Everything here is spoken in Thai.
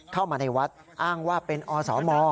เข้ามาในวัดอ้างว่าเป็นอสม